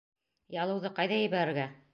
Ялыуҙы ҡайҙа ебәрергә?